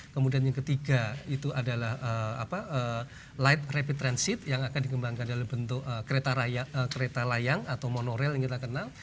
kemudian yang ketiga itu adalah light rapid transit yang akan dikembangkan dalam bentuk kereta layang atau monorail yang kita kenal